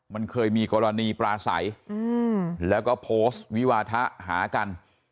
มันเคยมีกรณีปลาใสแล้วก็โพสต์วิวาทะหากัน